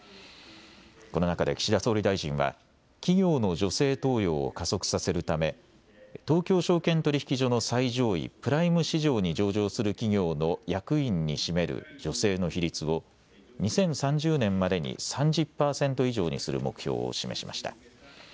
この中で岸田総理大臣は企業の女性登用を加速させるため東京証券取引所の最上位プライム市場に上場する企業の役員に占める女性の比率を２０３０年までに３０パーセント以上にする目標を示しました。